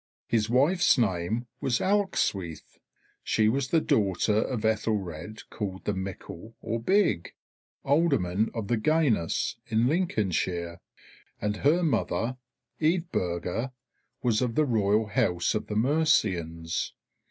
His wife's name was Ealhswyth; she was the daughter of Aethelred called the Mickle or Big, Alderman of the Gainas in Lincolnshire, and her mother Eadburh was of the royal house of the Mercians.